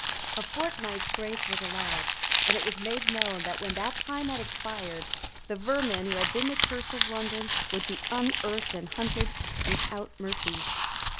A fortnight's grace was allowed; and it was made known that, when that time had expired, the vermin who had been the curse of London would be unearthed and hunted without mercy.